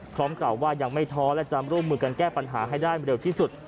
กล่าวว่ายังไม่ท้อและจะร่วมมือกันแก้ปัญหาให้ได้เร็วที่สุด